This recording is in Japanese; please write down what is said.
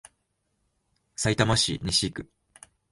さいたま市西区